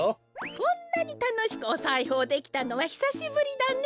こんなにたのしくおさいほうできたのはひさしぶりだね。